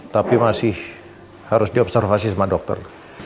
tapi masih harus diobservasi sama dokter